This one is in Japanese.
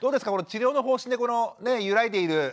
治療の方針でこのね揺らいでいる。